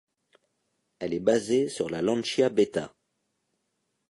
Elle est basée sur la Lancia Beta.